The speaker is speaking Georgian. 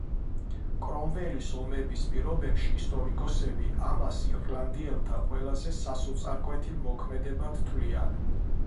კრომველის ომების პირობებში, ისტორიკოსები ამას ირლანდიელთა ყველაზე სასოწარკვეთილ მოქმედებად თვლიან.